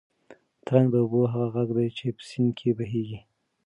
ترنګ د اوبو هغه غږ دی چې په سیند کې بهېږي.